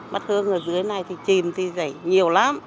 bát hương ở dưới này thì chìm thì dày nhiều lắm